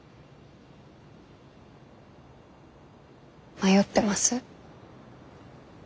迷ってます？